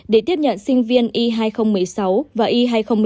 để tiếp nhận sinh viên y hai nghìn một mươi sáu và y hai nghìn một mươi tám